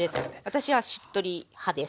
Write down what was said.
私はしっとり派です。